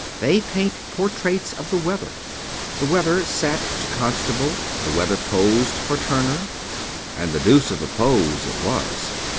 They paint portraits of the weather. The weather sat to Constable ; the weather posed for Turner — and the deuce of a pose it was.